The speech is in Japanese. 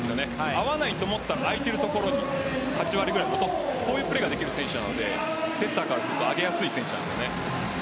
合わないと思ったら空いている所に８割ぐらい落とすプレーができる選手なのでセッターからすると上げやすい選手ですね。